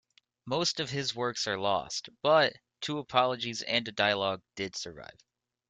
Most of his works are lost, but two apologies and a dialogue did survive.